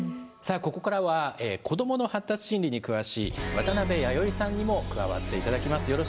さあここからは子どもの発達心理に詳しい渡辺弥生さんにも加わって頂きます。